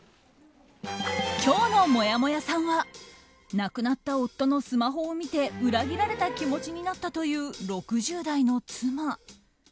今日のもやもやさんは亡くなった夫のスマホを見て裏切られた気持ちになったという６０代の妻。